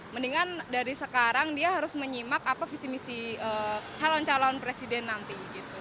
mendingan dari sekarang dia harus menyimak apa visi misi calon calon presiden nanti